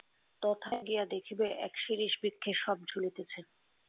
তথায় গিয়া দেখিবে এক শিরীষবৃক্ষে শব ঝুলিতেছে।